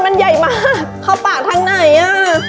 มันใหญ่มากเข้าปากทางไหนอ่ะ